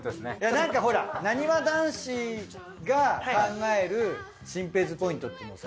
何かほらなにわ男子が考えるシンペイズポイントっていうのさ。